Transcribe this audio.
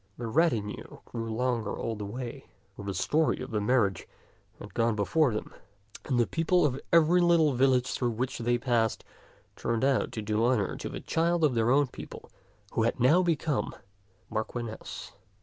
The retinue grew longer all the way, for the story of the mar riage had gone before them, and the people of every little village through which they passed turned out to do honor to the child of their own people who had now become their Marchioness.